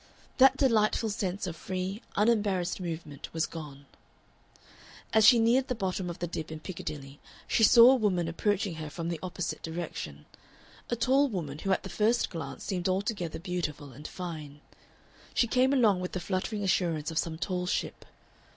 That delightful sense of free, unembarrassed movement was gone. As she neared the bottom of the dip in Piccadilly she saw a woman approaching her from the opposite direction a tall woman who at the first glance seemed altogether beautiful and fine. She came along with the fluttering assurance of some tall ship.